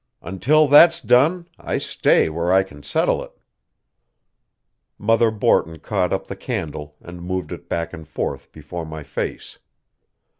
Until that's done, I stay where I can settle it." Mother Borton caught up the candle and moved it back and forth before my face.